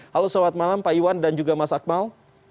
halo selamat malam pak iwan dan juga mas akmal